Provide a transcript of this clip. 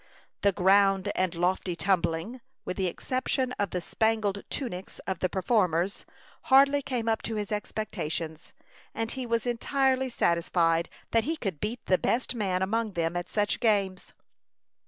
The "ground and lofty tumbling," with the exception of the spangled tunics of the performers, hardly came up to his expectations; and he was entirely satisfied that he could beat the best man among them at such games.